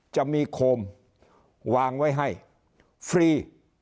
จะมีโคมวางไว้ให้ฟรี